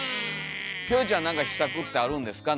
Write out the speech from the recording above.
キョエちゃん何か秘策ってあるんですか？